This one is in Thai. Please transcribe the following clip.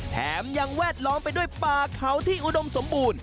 แถมยังแวดล้อมไปด้วยป่าเขาที่อุดมสมบูรณ์